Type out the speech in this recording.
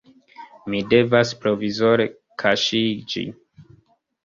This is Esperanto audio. Mi devas provizore kaŝiĝi.